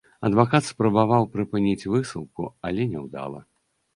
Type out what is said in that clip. Адвакат спрабаваў прыпыніць высылку, але няўдала.